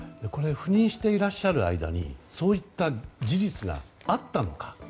赴任していらっしゃる間にそういった事実があったのか。